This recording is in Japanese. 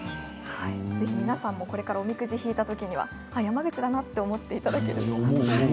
皆さんも、これからおみくじを引いた時には山口だなと思っていただけると。